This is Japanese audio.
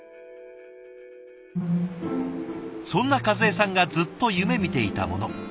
そんな和江さんがずっと夢みていたもの。